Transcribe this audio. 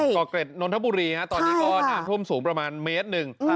เกาะเกร็ดนนทบุรีตอนนี้ก็น้ำท่วมสูงประมาณเมตรหนึ่ง